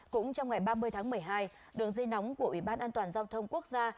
cũng trong ngày ba mươi tháng một mươi hai đường dây nóng của ủy ban an toàn giao thông quốc gia